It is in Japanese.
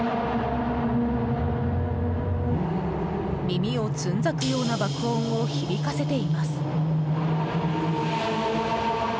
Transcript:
耳をつんざくような爆音を響かせています。